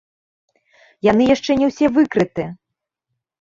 Яны яшчэ не ўсе выкрыты!